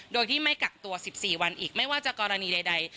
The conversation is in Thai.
โดยที่ไม่กักตัว๑๔วันอีกไม่ว่าจะกรณีใด